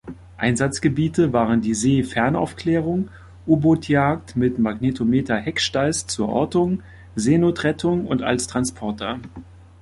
Einsatzgebiete waren die See-Fernaufklärung, U-Boot-Jagd mit Magnetometer-Hecksteiß zur Ortung, Seenotrettung und als Transporter.